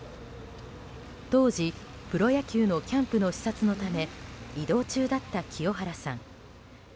当時、プロ野球のキャンプの視察のため移動中だった清原さん。